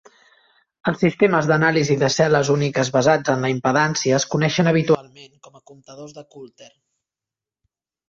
Els sistemes d'anàlisi de cel·les úniques basats en la impedància es coneixen habitualment com a comptadors de Coulter.